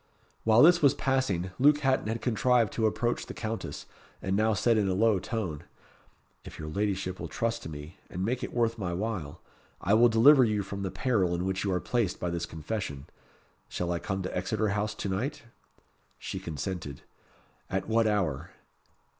While this was passing, Luke Hatton had contrived to approach the Countess, and now said in a low tone "If your ladyship will trust to me, and make it worth my while, I will deliver you from the peril in which you are placed by this confession. Shall I come to Exeter House to night?" She consented. "At what hour?"